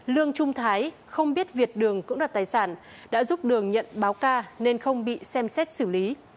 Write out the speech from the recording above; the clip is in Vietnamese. lương trung thái không biết việt đường cưỡng đoạt tài sản đã giúp đường nhận báo ca nên không bị xem xét xử lý